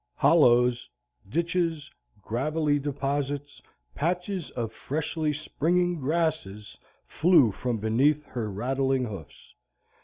Hollows, ditches, gravelly deposits, patches of freshly springing grasses, flew from beneath her rattling hoofs.